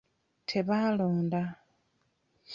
Tebaalonda.